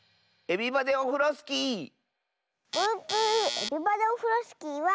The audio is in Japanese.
「エビバデオフロスキー」は。